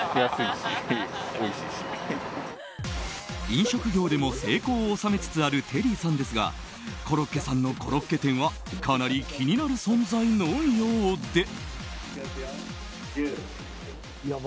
飲食業でも成功を収めつつあるテリーさんですがコロッケさんのコロッケ店はかなり気になる存在のようで。